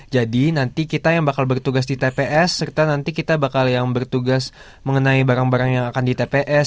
jadi nanti kita yang bakal bertugas di tps serta nanti kita bakal yang bertugas mengenai barang barang yang akan di tps